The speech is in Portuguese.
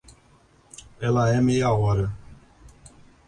Ela é meia hora.